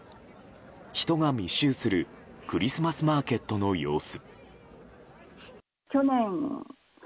人が密集するクリスマスマーケットの様子。